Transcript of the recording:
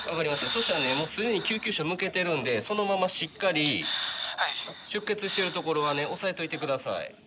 そしたらねもう既に救急車向けてるんでそのまましっかり出血してるところはね押さえといて下さい。